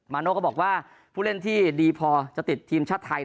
โน่ก็บอกว่าผู้เล่นที่ดีพอจะติดทีมชาติไทย